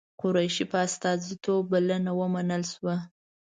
قریشي په استازیتوب بلنه ومنل شوه.